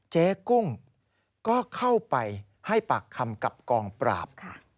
เจ๊กุ้งก็เข้าไปให้ปากคำกับกองปราบ